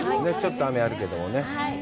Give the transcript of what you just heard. ちょっと雨があるけどもね。